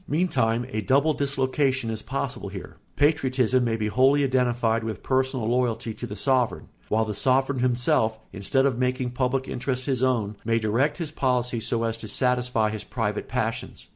Meantime a double dislocation is possible here: patriotism may be wholly identified with personal loyalty to the sovereign, while the sovereign himself, instead of making public interests his own, may direct his policy so as to satisfy his private passions.